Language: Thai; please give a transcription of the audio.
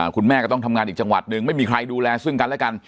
คุณแม่ก็ต้องทำงานอีกจังหวัดหนึ่งไม่มีใครดูแลซึ่งกันและกัน